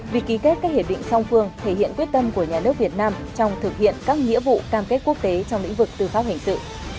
việc ký kết các hiệp định song phương thể hiện quyết tâm của nhà nước việt nam trong thực hiện các nghĩa vụ cam kết quốc tế trong lĩnh vực tư pháp hình sự